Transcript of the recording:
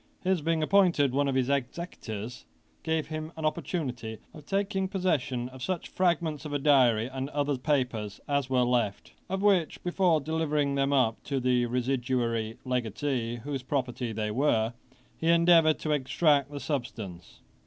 His being appointed one of his executors, gave him an opportunity of taking possession of such fragments of a diary and other papers as were left; of which, before delivering them up to the residuary legatee, whose property they were, he endeavoured to extract the substance.